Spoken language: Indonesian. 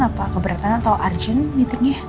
apa keberatan atau urgent nyetiknya